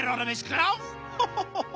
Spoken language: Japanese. ホホホホ！